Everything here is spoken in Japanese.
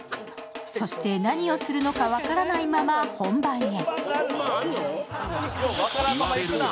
そして何をするのか分からないまま本番へ。